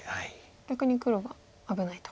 逆に黒は危ないと。